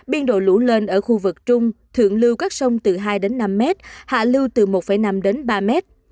biên độ lũ lên ở khu vực trung thượng lưu các sông từ hai đến năm mét hạ lưu từ một năm đến ba mét